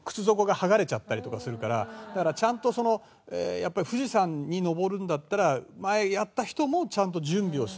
だからちゃんとそのやっぱり富士山に登るんだったら前やった人もちゃんと準備をする。